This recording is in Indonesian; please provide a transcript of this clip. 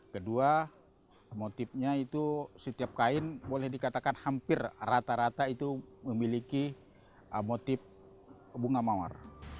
kedua motifnya itu setiap kain boleh dikatakan hampir rata rata itu memiliki motif bunga mawar